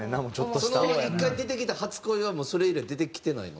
その１回出てきた「初恋」はもうそれ以来出てきてないの？